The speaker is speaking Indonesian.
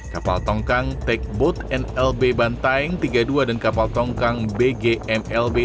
kapal tongkang take boat nlb bantaeng tiga puluh dua dan kapal tongkang bgmlb tiga ribu sembilan ratus dua